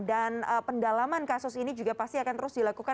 dan pendalaman kasus ini juga pasti akan terus dilakukan